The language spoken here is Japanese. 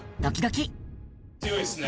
強いですね。